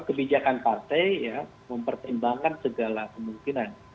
kebijakan partai mempertimbangkan segala kemungkinan